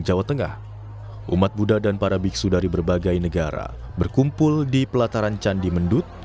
jawa tengah umat buddha dan para biksu dari berbagai negara berkumpul di pelataran candi mendut